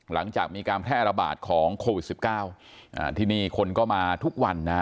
หลังจากมีการแพร่ระบาดของโควิดสิบเก้าอ่าที่นี่คนก็มาทุกวันนะฮะ